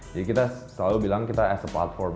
jadi kita selalu bilang kita as a platform